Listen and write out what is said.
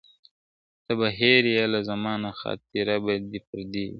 ته به هېر یې له زمانه خاطره به دي پردۍ وي `